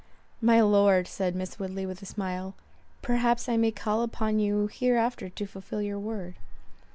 "My Lord," said Miss Woodley with a smile, "perhaps I may call upon you hereafter to fulfil your word."